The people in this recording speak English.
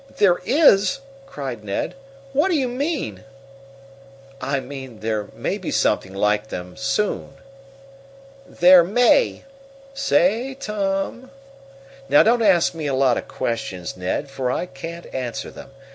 "There is!" cried Ned. "What do you mean?" "I mean there may be something like them soon." "There may? Say, Tom " "Now don't ask me a lot of questions, Ned, for I can't answer them.